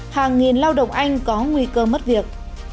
hàng nghìn lao động anh có nguy cơ mất việc